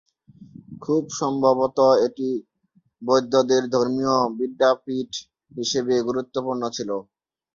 খুব সম্ভবত এটি বৌদ্ধদের ধর্মীয় বিদ্যাপীঠ হিসেবে গুরুত্বপূর্ণ ছিল।